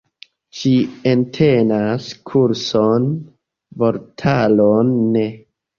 Ĝi entenas kurson, vortaron ne.